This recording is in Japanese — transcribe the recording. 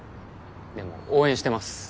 でも応援してます。